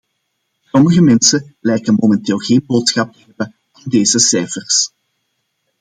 Sommige mensen lijken momenteel geen boodschap te hebben aan deze cijfers.